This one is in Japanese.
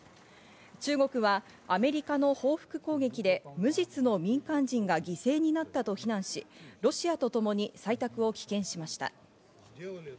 中国はアメリカの報復攻撃で無実の民間人が犠牲になったと非難し、ロシアとともに採択を棄権しました。